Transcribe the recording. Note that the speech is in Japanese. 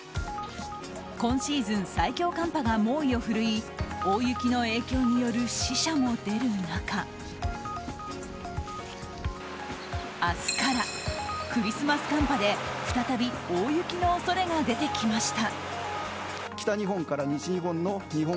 今シーズン最強寒波が猛威を振るい大雪の影響による死者も出る中明日からクリスマス寒波で再び大雪の恐れが出てきました。